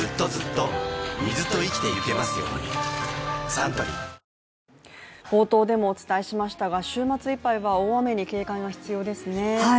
サントリー冒頭でもお伝えしましたが、週末いっぱいは大雨に警戒が必要ですね。